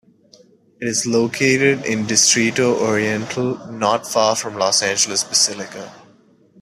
It is located in Distrito Oriental not far from Los Angeles Basilica.